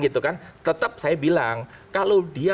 tetap saya bilang kalau dia